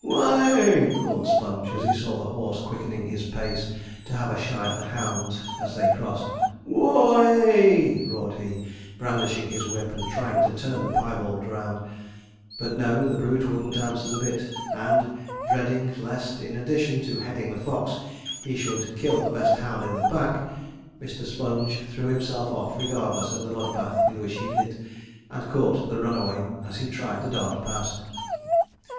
'Whoay!' cried Sponge, as he saw the horse quickening his pace to have a shy at the hounds as they crossed. 'Who o a y!' roared he, brandishing his whip, and trying to turn the piebald round; but no, the brute wouldn't answer the bit, and dreading lest, in addition to heading the fox, he should kill 'the best hound in the pack,' Mr. Sponge threw himself off, regardless of the mud bath in which he lit, and caught the runaway as he tried to dart past.